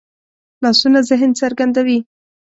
لاسونه ذهن څرګندوي